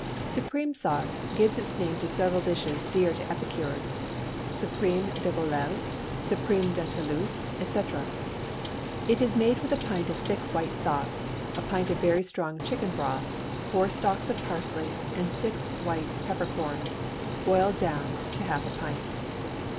Suprême sauce gives its name to several dishes dear to epicures suprême de volaille, suprême de Toulouse, etc. It is made with a pint of thick white sauce, a pint of very strong chicken broth, four stalks of parsley, and six white pepper corns, boiled down to half a pint.